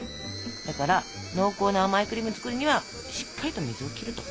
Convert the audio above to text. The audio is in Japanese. だから濃厚な甘いクリーム作るにはしっかりと水を切ると。